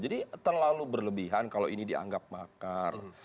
jadi terlalu berlebihan kalau ini dianggap bakar